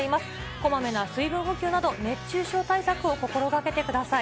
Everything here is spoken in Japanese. こまめな水分補給など、熱中症対策を心がけてください。